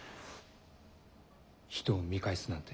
人を見返すなんて